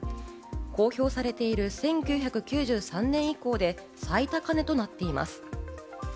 公表されている１９９３年以降で最高値となっています。